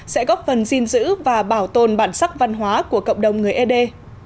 sẽ góp phần dinh dữ và bảo tồn bản sắc văn hóa của cộng đồng người ế đê